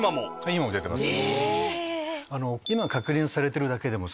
今も出てます。